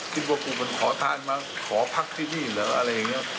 คิดว่ากูมันขอทางนี้มาคอพักที่นี่หรืออะไรเงี้ย